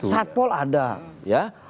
satpol ada ya